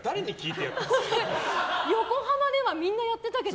横浜ではみんなやってたけど。